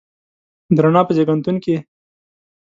د رڼا په زیږنتون کې